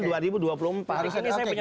di sini saya punya